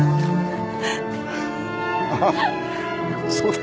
ああそうだ。